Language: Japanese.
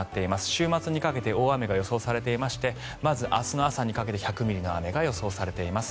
週末にかけて大雨が予想されていましてまず明日の朝にかけて１００ミリの雨が予想されています。